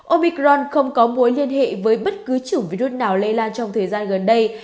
obicron không có mối liên hệ với bất cứ chủng virus nào lây lan trong thời gian gần đây